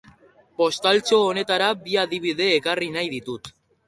Postaltxo honetara bi adibide ekarri nahi ditut.